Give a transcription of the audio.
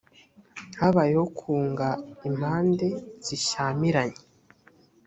habayeho kunga impande zishyamiranye